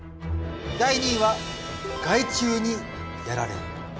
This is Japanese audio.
第２位は害虫にやられる。